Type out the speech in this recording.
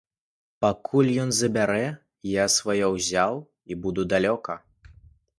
Пакуль ён збярэ, я сваё ўзяў і буду далёка!